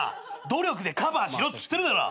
努力でカバーしろっつってるだろ。